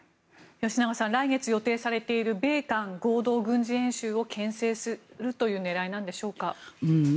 吉永さん来月予定されている米韓合同軍事演習をけん制するという狙いなんでしょうか。